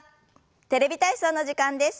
「テレビ体操」の時間です。